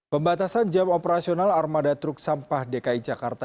pembatasan jam operasional armada truk sampah dki jakarta